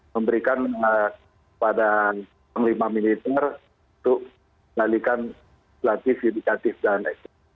memberikan kepada lima militer untuk melalui latif yudikatif dan ekip